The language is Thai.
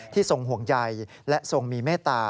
ทรงห่วงใยและทรงมีเมตตา